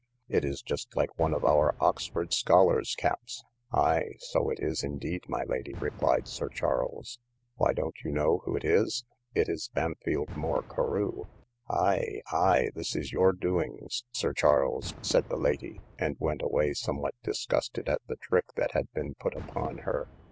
It is just like one of our Oxford scholar's caps. Ay, so it is indeed, my lady, replied Sir Charles; why don't you know who it is? It is Bampfylde Moore Carew. Ay, ay, this is your doings, Sir Charles, said the lady; and went away somewhat disgusted at the trick that had been put upon her.